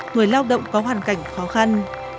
người lao động có hoàn cảnh khó khăn